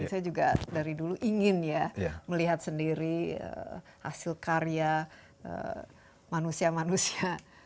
saya juga dari dulu ingin ya melihat sendiri hasil karya manusia manusia